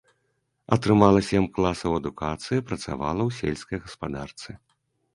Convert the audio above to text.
Атрымала сем класаў адукацыі, працавала ў сельскай гаспадарцы.